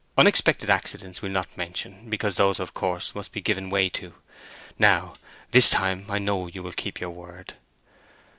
Unexpected accidents we'll not mention, because those, of course, must be given way to. Now, this time I know you will keep your word."